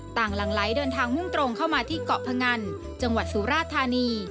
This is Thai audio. หลังไหลเดินทางมุ่งตรงเข้ามาที่เกาะพงันจังหวัดสุราธานี